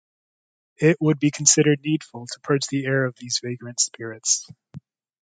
It would be considered needful to purge the air of these vagrant spirits.